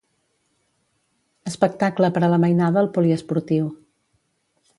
Espectacle per a la mainada al poliesportiu.